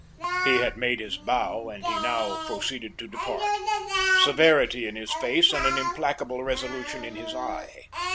He had made his bow, and he now proceeded to depart, severity in his face and an implacable resolution in his eye.